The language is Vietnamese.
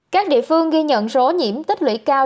các địa phương ghi nhận số nhiễm tích lũy cao